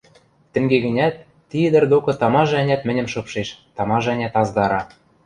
Тӹнге гӹнят ти ӹдӹр докы тамажы-ӓнят мӹньӹм шыпшеш, тамажы-ӓнят аздара.